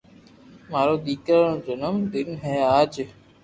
مارا ديڪرا رو جنم دن ھي آج